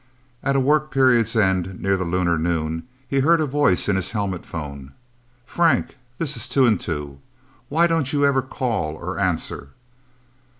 At a work period's end, near the lunar noon, he heard a voice in his helmet phone. "Frank this is Two and Two...! Why don't you ever call or answer...?"